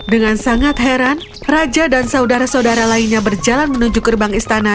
dengan sangat heran raja dan saudara saudara lainnya berjalan menuju gerbang istana